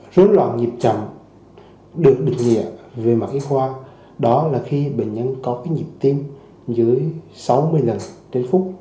dối loạn nhịp chậm được định nghĩa về mạng y khoa đó là khi bệnh nhân có nhịp tim dưới sáu mươi lần trên phút